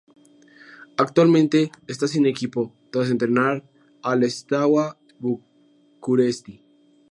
Actualmente está sin equipo, tras entrenar al Steaua București.